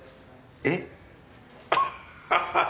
えっ？